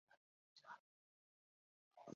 鞭枝悬藓为蔓藓科悬藓属下的一个种。